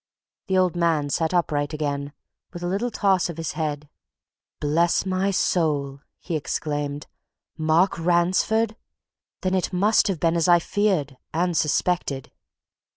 The old man sat upright again, with a little toss of his head. "Bless my soul!" he exclaimed. "Mark Ransford! Then it must have been as I feared and suspected!"